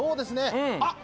あっ。